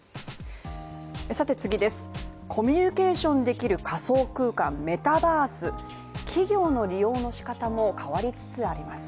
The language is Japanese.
コミュニケーションできる仮想空間メタバース企業の利用の仕方も変わりつつあります。